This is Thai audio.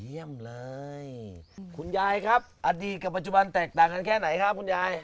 เยี่ยมเลยคุณยายครับอดีตกับปัจจุบันแตกต่างกันแค่ไหนครับคุณยาย